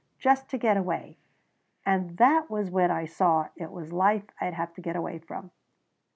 Just to get away. And that was when I saw it was life I'd have to get away from.